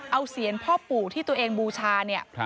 เอาเสียงพ่อปู่ที่ตัวเองบูชาเนี่ย